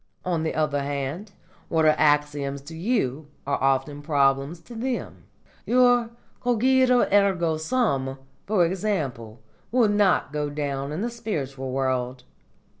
On the other hand, what are axioms to you are often problems to them. Your cogito ergo sum, for example, will not go down in the spiritual world.